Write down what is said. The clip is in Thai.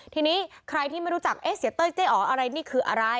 ทีนี้ใครที่ไม่รู้จักเสียเต้ยเจ๋อ๋อนี่คืออะไร